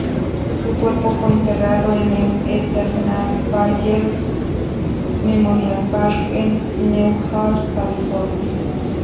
Su cuerpo fue enterrado en el Eternal Valley Memorial Park en Newhall, California.